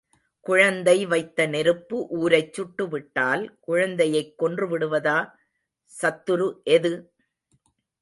குழந்தை வைத்த நெருப்பு ஊரைச் சுட்டு விட்டால் குழந்தையைக் கொன்று விடுவதா? சத்துரு எது?